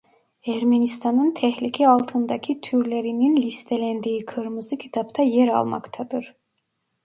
Ermenistan'ın tehlike altındaki türlerinin listelendiği Kırmızı Kitap'ta yer almaktadır.